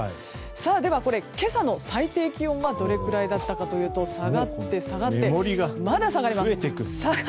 では、今朝の最低気温はどれくらいだったのかというと下がって下がってまだ下がります。